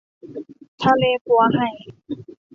ทะเลปั๋วไห่